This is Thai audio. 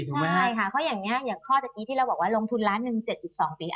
ใช่ค่ะเพราะอย่างนี้อย่างข้อตะกี้ที่เราบอกว่าลงทุนล้านหนึ่ง๗๒ปี